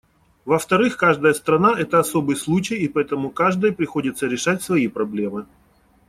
Во-вторых, каждая страна — это особый случай, и поэтому каждой приходится решать свои проблемы.